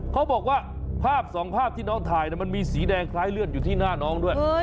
เขาบอกว่าภาพสองภาพที่น้องถ่ายมันมีสีแดงคล้ายเลือดอยู่ที่หน้าน้องด้วย